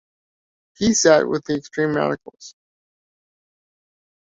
He sat with the extreme radicals.